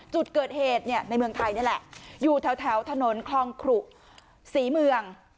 จุดเกิดเหตุเนี่ยในเมืองไทยนี่แหละอยู่แถวถนนคลองขรุศรีเมือง